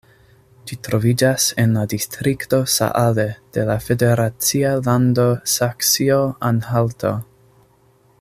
Ĝi troviĝas en la distrikto Saale de la federacia lando Saksio-Anhalto.